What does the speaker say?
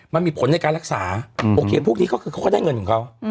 มันมีผลในการรักษาโอเคพวกนี้ก็คือเขาก็ได้เงินของเขา